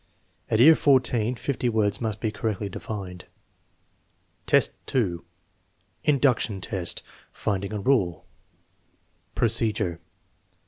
At year XIV fifty words must be correctly defined. XIV, 2. Induction test: finding a rale Procedure.